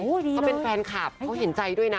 โอ้ดีเลยเขาเป็นแฟนคลับเขาเห็นใจด้วยนะ